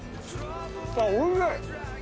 あっおいしい。